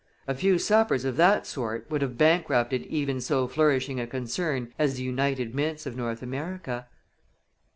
A few suppers of that sort would have bankrupted even so flourishing a concern as the United Mints of North America.